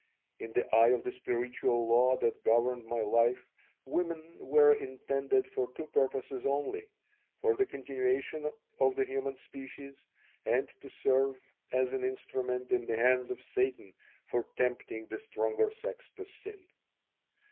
In the eye of the spiritual law that governed my life women were intended for two purposes only: for the continuation of the human species and to serve as an instrument in the hands of Satan for tempting the stronger sex to sin.